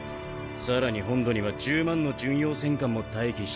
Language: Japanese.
さらに本土には１０万の巡洋戦艦も待機してる。